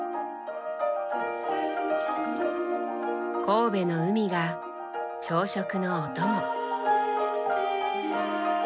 神戸の海が朝食のおとも。